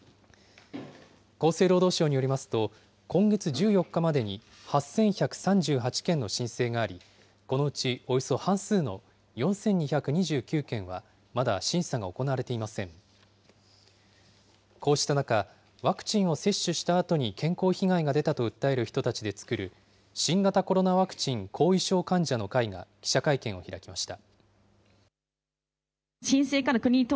厚生労働省によりますと、今月１４日までに８１３８件の申請があり、このうちおよそ半数の４２２９件はまだ審査が行われていません。こうした中、ワクチンを接種したあとに健康被害が出たと訴える人たちで作る、新型コロナワクチン後遺症患者の会が記者会見を開きました。